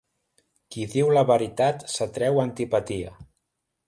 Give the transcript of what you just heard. Qui diu la veritat s'atreu antipatia.